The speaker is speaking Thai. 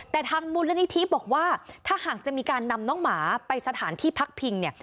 แต่ทางมูลนิธิบอกว่าถ้าหากจะมีการนำน้องหมาไปสถานที่พักพิงเนี่ย